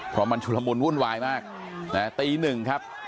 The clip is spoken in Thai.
เพราะมันชุลมุนวุ่นวายมากตีหนึ่งครับ